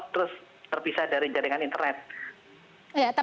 terus terpisah dari jaringan internet